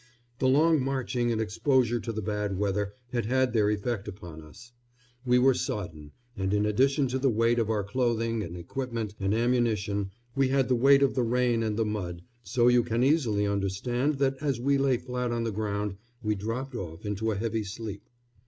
The long marching and exposure to the bad weather had had their effect upon us. We were sodden, and in addition to the weight of our clothing and equipment and ammunition we had the weight of the rain and the mud, so you can easily understand that as we lay flat on the ground we dropped off into a heavy sleep.